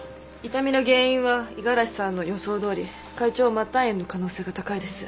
痛みの原因は五十嵐さんの予想どおり回腸末端炎の可能性が高いです。